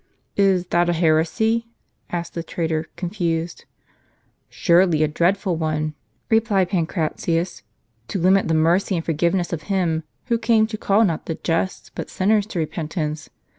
" Is that a heresy? " asked the traitor, confused. " Surely a dreadful one," replied Pancratius, " to limit the mercy and forgiveness of Him, who came to call not the just, but sinners to repentance.